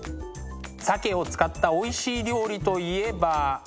鮭を使ったおいしい料理といえば。